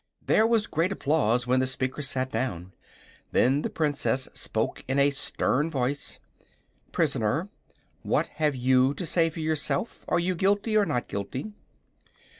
There was great applause when the speaker sat down. Then the Princess spoke in a stern voice: "Prisoner, what have you to say for yourself? Are you guilty, or not guilty?"